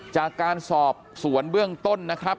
จากการสอบสวนเบื้องต้นนะครับ